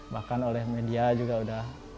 bahkan oleh media juga sudah